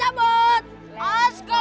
yaudah ya guys kita cabut